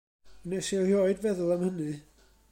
Wnes i erioed feddwl am hynny.